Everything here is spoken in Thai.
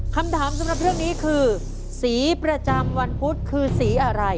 คำถามสำหรับเรื่องนี้คือสีประจำวันพุธคือสีอะไร